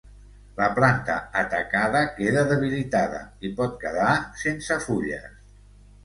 La planta atacada queda debilitada i pot quedar sense fulles.